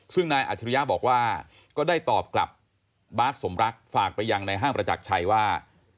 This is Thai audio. ซึ่งนายอัจฉริยะบอกว่าก็ได้ตอบกลับบาสสมรักฝากไปยังในห้างประจักรชัยว่า